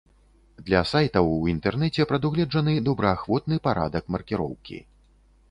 Для сайтаў у інтэрнэце прадугледжаны добраахвотны парадак маркіроўкі.